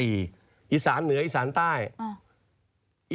อีสานเหนืออีสานใต้